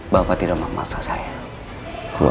bapak tidak mau memaksa saya keluar